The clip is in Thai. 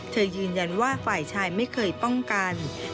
ยืนยันว่าฝ่ายชายไม่เคยป้องกัน